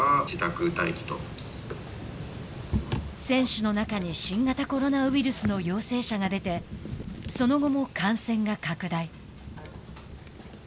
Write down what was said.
選手の中に新型コロナウイルスの陽性者が出てその後も感染が拡大。